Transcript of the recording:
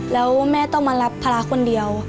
แล้วแม่ต้องมารับภาระคนเดียว